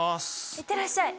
行ってらっしゃい！